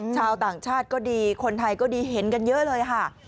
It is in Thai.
ชาวต่างชาติก็ดีคนไทยก็ดีเห็นกันเยอะเลยค่ะ